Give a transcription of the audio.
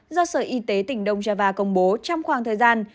do sở y tế tỉnh đông java công bố trong khoảng thời gian